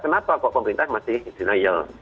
kenapa kok pemerintah masih denial